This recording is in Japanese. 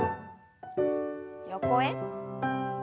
横へ。